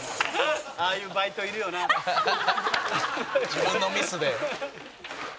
自分のミスで。